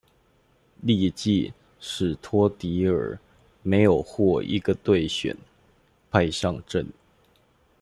翌季史托迪尔没有获一队选派上阵。